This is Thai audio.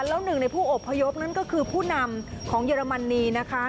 แล้วหนึ่งในผู้อบพยพนั่นก็คือผู้นำของเยอรมนีนะคะ